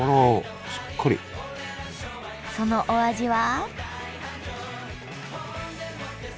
そのお味は？